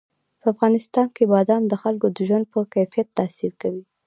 په افغانستان کې بادام د خلکو د ژوند په کیفیت تاثیر کوي.